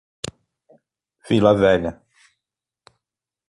Vila Velha